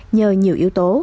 nhờ nhiều yếu tố